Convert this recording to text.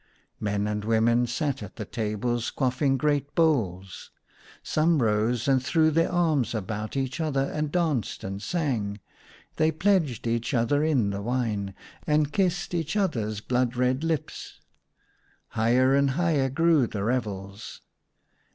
Men and women sat at the tables quaffing great bowls. Some rose, and threw their arms about each other, and danced and sang. They pledged each other in the wine, and kissed each other's blood red lips. H igher and higher grew the revels.